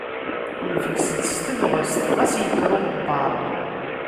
Nebges-d s tebɣest, ɣas yekker uɣebbaṛ.